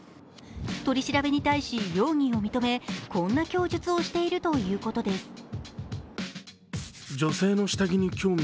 取り調べに対し容疑を認め、こんな供述をしているということです。